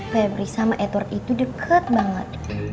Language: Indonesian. pebri sama edward itu deket banget